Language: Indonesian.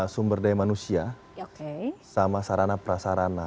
sumber daya manusia sama sarana prasarana